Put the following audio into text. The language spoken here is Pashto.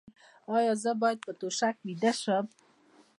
ایا زه باید په توشک ویده شم؟